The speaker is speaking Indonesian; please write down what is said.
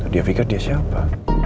dia fikir dia siapa